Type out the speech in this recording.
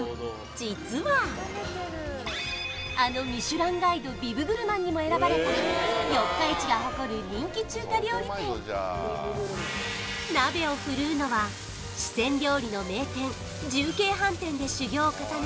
実はあの「ミシュランガイドビブグルマン」にも選ばれた四日市が誇る人気中華料理店鍋を振るうのは四川料理の名店重慶飯店で修業を重ね